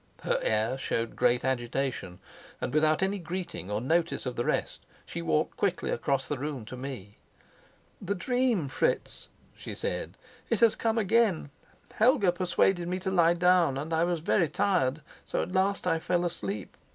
Her air showed great agitation, and without any greeting or notice of the rest she walked quickly across the room to me. "The dream, Fritz," she said. "It has come again. Helga persuaded me to lie down, and I was very tired, so at last I fell asleep.